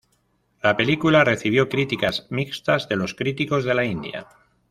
La película recibió críticas mixtas de los críticos de la India.